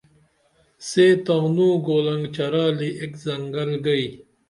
سے تانو گولنگ چرالی ایک زنگل گئی